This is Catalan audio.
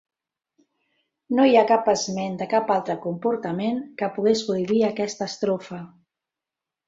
No hi ha cap esment de cap altre comportament que pogués prohibir aquesta estrofa.